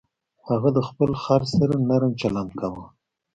هغه د خپل خر سره نرم چلند کاوه.